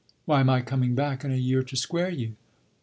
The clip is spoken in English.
"Why my coming back in a year to square you."